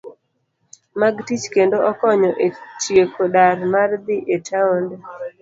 Mag tich kendo okonyo e tieko dar mar dhi e taonde